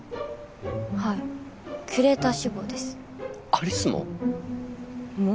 はいキュレーター志望です有栖も？も？